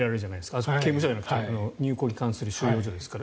あそこは刑務所じゃなくて入国に関する収容所ですから。